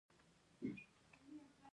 پچیر اګام غرونه لري؟